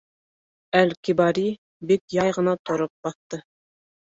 Әл-Кибари бик яй ғына тороп баҫты.